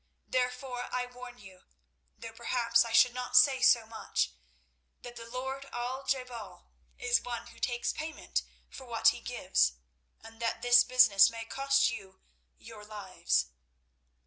Therefore I warn you, though perhaps I should not say so much, that the lord Al je bal is one who takes payment for what he gives, and that this business may cost you your lives."